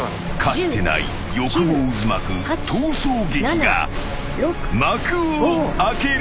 ［かつてない欲望渦巻く逃走劇が幕を開ける］